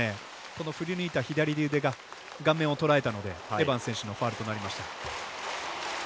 この振りにいった左腕が顔面をとらえたのでエバンス選手のファウルとなりました。